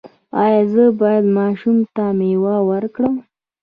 ایا زه باید ماشوم ته میوه ورکړم؟